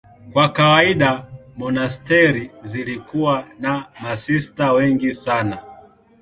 Kwa kawaida monasteri zilikuwa na masista wengi sana.